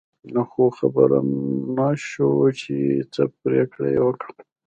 خو خبر نه شو چې څه پرېکړه یې وکړه.